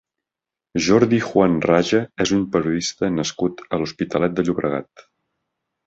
Jordi Juan Raja és un periodista nascut a l'Hospitalet de Llobregat.